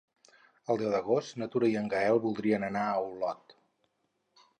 El deu d'agost na Tura i en Gaël voldrien anar a Olot.